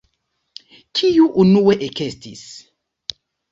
Kiu unue ekestis?